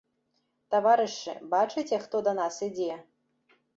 Таварышы, бачыце, хто да нас ідзе?